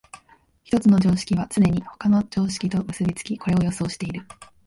一つの常識はつねに他の常識と結び付き、これを予想している。